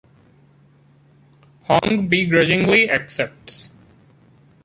Hong begrudgingly accepts.